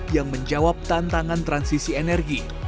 yang menjawab tantangan transisi energi